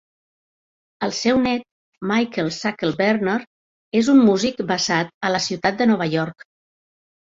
El seu net, Michael Sackler-Berner, és un músic basat a la ciutat de Nova York.